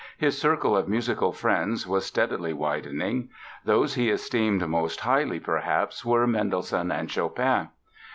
His circle of musical friends was steadily widening. Those he esteemed most highly, perhaps, were Mendelssohn and Chopin.